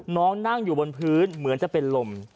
นั่งอยู่บนพื้นเหมือนจะเป็นลม